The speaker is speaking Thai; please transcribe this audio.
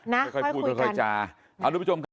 นะค่อยคุยกันค่อยจ้าเอาลูกผู้ชมกัน